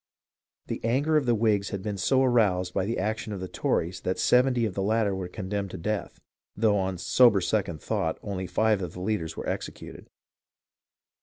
The anger of the Whigs had been so aroused by the action of the Tories that seventy of the latter were condemned to death, though on sober second thought only five of the leaders were exe cuted.